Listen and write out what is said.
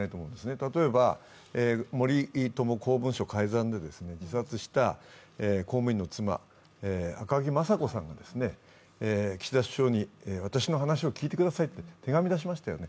例えば森友文書改ざん問題で自殺した公務員の妻、赤木雅子さんが岸田首相に私の話を聞いてくださいと手紙を出しましたよね。